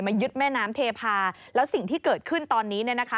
ยึดแม่น้ำเทพาแล้วสิ่งที่เกิดขึ้นตอนนี้เนี่ยนะคะ